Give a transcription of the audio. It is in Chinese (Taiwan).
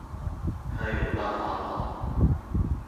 開源大法好